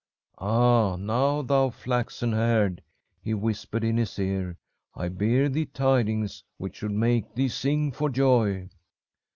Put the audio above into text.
"'Ah, now, thou flaxen haired,' he whispered in his ear. 'I bear thee tidings which should make thee sing for joy.